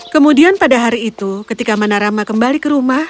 kemudian pada hari itu ketika manarama kembali ke rumah